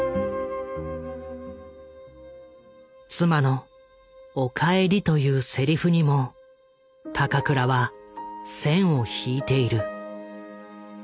妻の「お帰り」というセリフにも高倉は線を引いている。